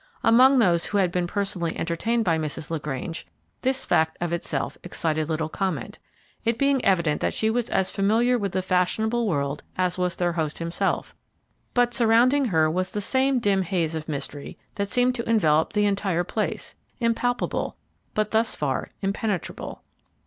Among those who had been personally entertained by Mrs. LaGrange, this fact, of itself, excited little comment; it being evident that she was as familiar with the fashionable world as was their host himself, but surrounding her was the same dim haze of mystery that seemed to envelop the entire place, impalpable, but thus far impenetrable.